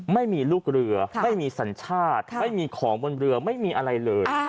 ไม่มีลูกเรือไม่มีสัญชาติไม่มีของบนเรือไม่มีอะไรเลย